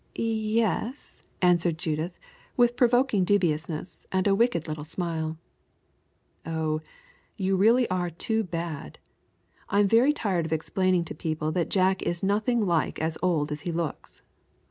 "Y e s," answered Judith, with provoking dubiousness and a wicked little smile. "Oh, you are really too bad! I am very tired of explaining to people that Jack is nothing like as old as he looks.